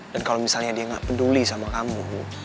dan kalau misalnya dia gak peduli sama kamu